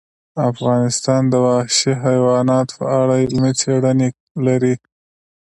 افغانستان د وحشي حیوانات په اړه علمي څېړنې لري.